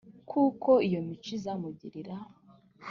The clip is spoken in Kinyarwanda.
kuko iyo mico izamugirira